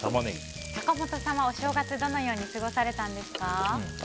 坂本さんはお正月どのように過ごされたんですか？